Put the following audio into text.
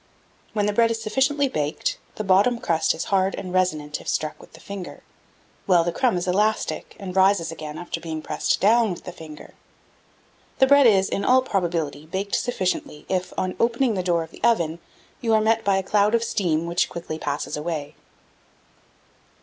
When the bread is sufficiently baked, the bottom crust is hard and resonant if struck with the finger, while the crumb is elastic, and rises again after being pressed down with the finger. The bread is, in all probability, baked sufficiently if, on opening the door of the oven, you are met by a cloud of steam which quickly passes away.